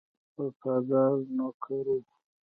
وفادار نوکر وو.